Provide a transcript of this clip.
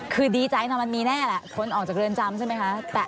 คือดีใจนะมันมีแน่แหละคนออกจากเรือนจำใช่ไหมคะ